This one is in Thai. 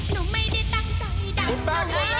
หนูไม่ได้ตั้งใจดำหนูไม่ได้ตั้งใจเดา